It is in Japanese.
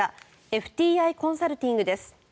ＦＴＩコンサルティングです。